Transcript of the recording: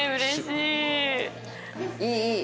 いいいい。